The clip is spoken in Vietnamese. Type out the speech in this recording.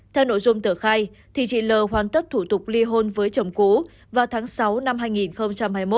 theo nội dung tờ khai chị lờ hoàn tất thủ tục li hôn với chồng cũ vào tháng sáu năm hai nghìn hai mươi một